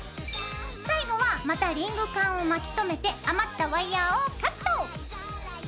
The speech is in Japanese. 最後はまたリングカンを巻きとめて余ったワイヤーをカット！